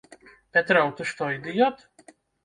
Пятроў, ты што, ідыёт?